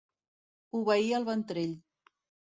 Obeir el ventrell.